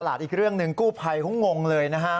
อีกเรื่องหนึ่งกู้ภัยเขางงเลยนะฮะ